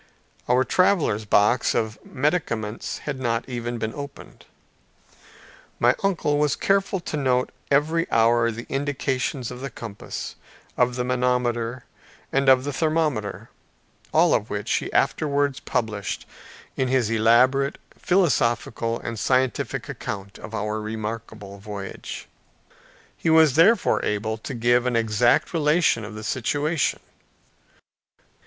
Our traveler's box of medicaments had not even been opened. My uncle was careful to note every hour the indications of the compass, of the manometer, and of the thermometer, all which he afterwards published in his elaborate philosophical and scientific account of our remarkable voyage. He was therefore able to give an exact relation of the situation.